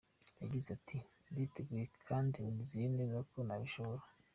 Yagize Ati “Nditeguye kandi nizeye neza ko nabishobora.